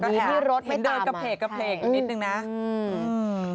ก็แค่เห็นเดินกระเพกกระเพกนิดหนึ่งนะอืมอืม